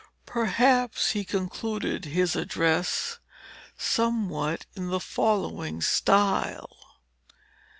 Perhaps he concluded his address somewhat in the following style.